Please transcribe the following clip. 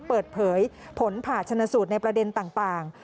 เปิดเผยผลผ่าชนสูตรในประเด็นต่าง